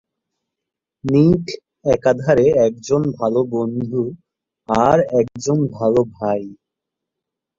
নিক একাধারে একজন ভালো বন্ধু আর একজন ভালো ভাই।